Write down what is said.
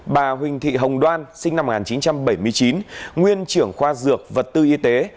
bà huỳnh thị hồng đoan sinh năm một nghìn chín trăm bảy mươi chín nguyên trưởng khoa dược vật tư y tế